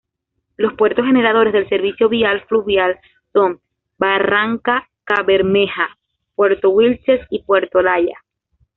Los puertos generadores del servicio vial fluvial son Barrancabermeja, Puerto Wilches y Puerto Olaya.